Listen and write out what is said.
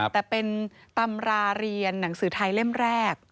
แต่เป็นตำราเรียนหนังสือไทยเล่มแรก